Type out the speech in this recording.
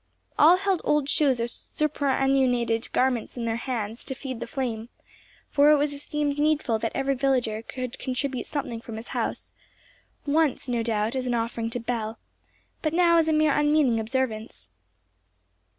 All held old shoes or superannuated garments in their hands to feed the flame; for it was esteemed needful that every villager should contribute something from his house—once, no doubt, as an offering to Bel, but now as a mere unmeaning observance.